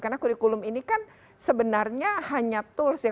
karena kurikulum ini kan sebenarnya hanya tools ya